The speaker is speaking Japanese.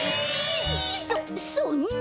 そそんな。